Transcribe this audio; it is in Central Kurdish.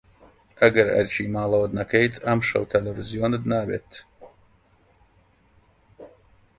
ئەگەر ئەرکی ماڵەوەت نەکەیت، ئەمشەو تەلەڤیزیۆن نابێت.